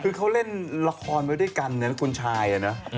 คือเขาเล่นละครไปด้วยกันนะคุณชายนะ